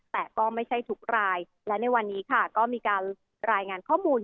แต่ก็ไม่ใช่ทุกรายและในวันนี้ค่ะก็มีการรายงานข้อมูล